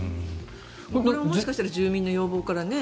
もしかしたら住民の要望から？